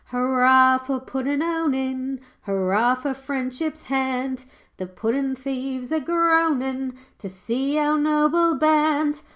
'Hurrah for puddin' owning, Hurrah for Friendship's hand, The puddin' thieves are groaning To see our noble band.